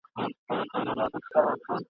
تر اسمان لاندي تر مځکي شهنشاه یم !.